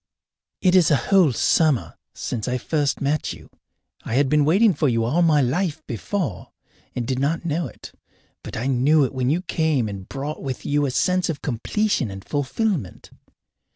It is a whole summer since I first met you. I had been waiting for you all my life before and did not know it. But I knew it when you came and brought with you a sense of completion and fulfilment.